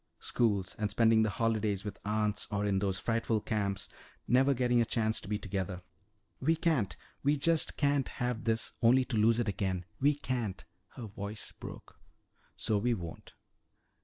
Schools, and spending the holidays with aunts or in those frightful camps, never getting a chance to be together. We can't we just can't have this only to lose it again. We can't!" her voice broke. "So we won't."